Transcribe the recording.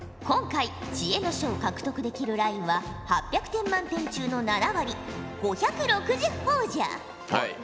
今回知恵の書を獲得できるラインは８００点満点中の７割５６０ほぉじゃ。